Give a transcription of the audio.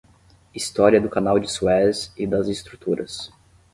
História do Canal de Suez e das estruturas